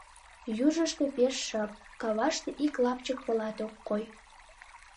Южышто пеш шып, каваште ик лапчык пылат ок кой.